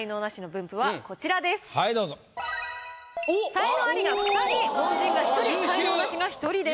才能アリが２人凡人が１人才能ナシが１人です。